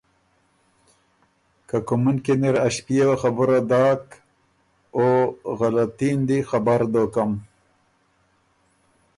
که کُومُن کی نِر ا ݭپيېوه خبُره داک، او غلطي ن دی خبر دوکم۔